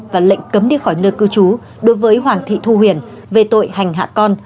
và lệnh cấm đi khỏi nơi cư trú đối với hoàng thị thu huyền về tội hành hạ con